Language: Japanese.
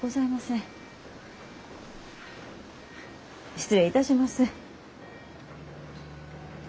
失礼いたします。